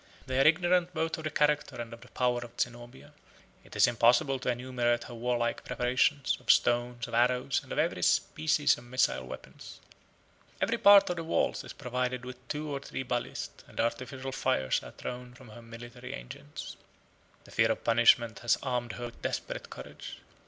They are ignorant both of the character and of the power of Zenobia. It is impossible to enumerate her warlike preparations, of stones, of arrows, and of every species of missile weapons. Every part of the walls is provided with two or three balistæ and artificial fires are thrown from her military engines. The fear of punishment has armed her with a desperate courage.